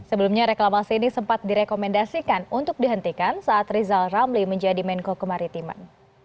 sebelumnya reklamasi ini sempat direkomendasikan untuk dihentikan saat rizal ramli menjadi menko kemaritiman